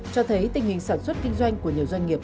cho thấy tình hình sản xuất kinh doanh của nhiều doanh nghiệp